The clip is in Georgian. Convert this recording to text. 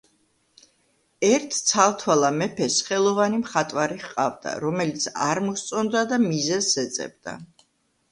ერთ ცალთვალა მეფეს ხელოვანი მხატვარი ჰყავდა, რომელიც არ მოსწონდა და მიზეზს ეძებდა.